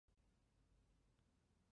首府帕马。